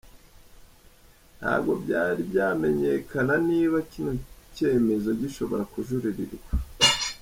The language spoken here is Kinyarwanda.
Ntabwo byari byamenyekana niba kino cyemezo gishobora kujuririrwa.